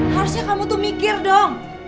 harusnya kamu tuh mikir dong